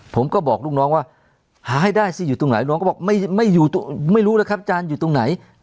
ผมก็บอกลูกน้องว่าหาให้ได้สิอยู่ตรงไหนน้องก็บอกไม่รู้แล้วครับอาจารย์อยู่ตรงไหน